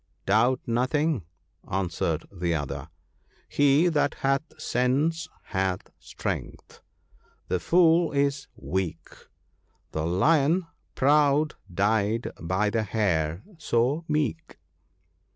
" Doubt nothing," answered the other —" He that hath sense hath strength ; the fool is weak : The Lion proud died by the Hare so meek."